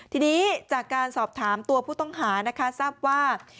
ทีนี้จากการสอบถามตัวผู้ต้องหานะคะทราบว่า